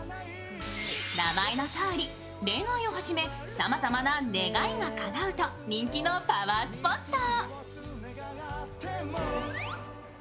名前のとおり恋愛をはじめさまざまな願いが叶うと人気のパワースポット。